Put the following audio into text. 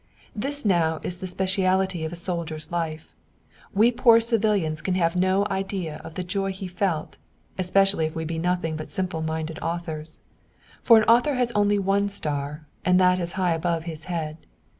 This now is the speciality of a soldier's life. We poor civilians can have no idea of the joy he felt, especially if we be nothing but simple minded authors. For an author has only one star, and that is high above his head.